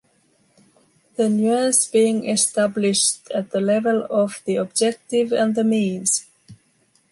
The nuance being established at the level of the objective and the means.